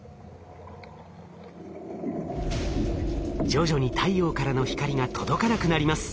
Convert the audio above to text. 徐々に太陽からの光が届かなくなります。